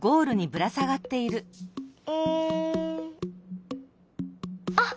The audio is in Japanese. うん。あっ！